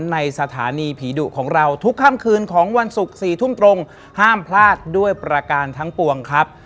สถานีผีดุของเราทุกค่ำคืนของวันศุกร์๔ทุ่มตรงห้ามพลาดด้วยประการทั้งปวงครับ